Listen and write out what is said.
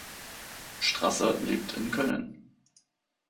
Strasser lebt in Köln.